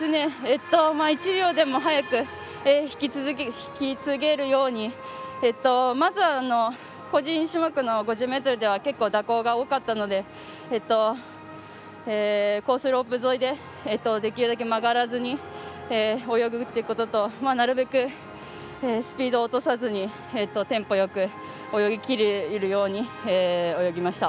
１秒でも速く引き継げるようにまずは、個人種目の５０ｍでは結構蛇行が多かったのでコースロープ沿いでできるだけ曲がらずに泳ぐってこととなるべくスピードを落とさずにテンポよく泳ぎきるように泳ぎました。